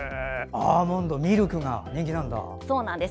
アーモンドミルクが人気なんだ。